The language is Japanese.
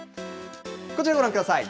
こちら、ご覧ください。